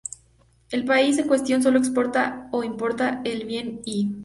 El país en cuestión solo exporta o importa el bien "i".